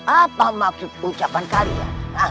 apa maksud ucapan kalian